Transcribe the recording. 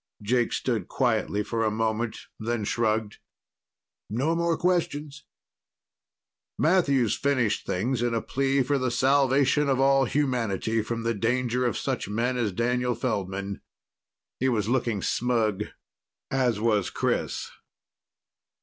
Jake stood quietly for a moment, then shrugged. "No more questions." Matthews finished things in a plea for the salvation of all humanity from the danger of such men as Daniel Feldman. He was looking smug, as was Chris.